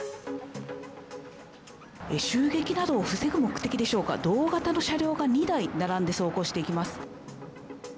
襲撃などを防ぐ目的でしょうか、同型の車両が２台、並んで走行していきます。